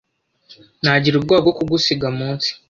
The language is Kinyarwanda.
nagira ubwoba bwo kugusiga mu nsi